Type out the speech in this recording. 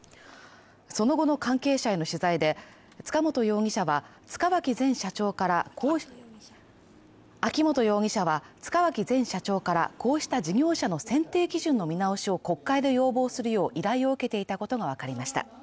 その後の関係者への取材で、秋本容疑者は塚脇前社長からこうした事業者の選定基準の見直しを国会で要望するよう依頼を受けていたことが分かりました。